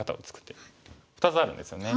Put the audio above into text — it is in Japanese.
手２つあるんですよね。